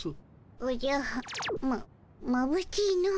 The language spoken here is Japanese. おじゃままぶしいの。